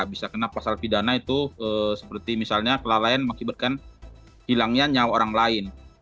bisa kena pasal pidana itu seperti misalnya kelalaian mengakibatkan hilangnya nyawa orang lain